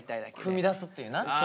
踏み出すっていうな。